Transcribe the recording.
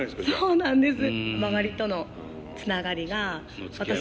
そうなんです。